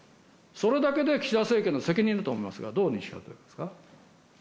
それだけで岸田政権の責任だと思いますが、どうでしょうか。